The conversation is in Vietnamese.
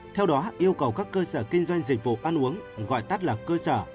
theo đó yêu cầu các cơ sở kinh doanh dịch vụ ăn uống gọi tắt là cơ sở